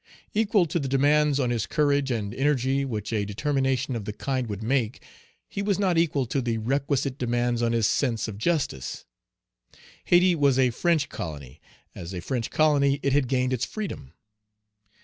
Equal to the demands on his courage and energy which a determination of the kind would make, he was not equal to the requisite demands on his sense of justice. Hayti was a French colony; as a French colony it had gained its freedom.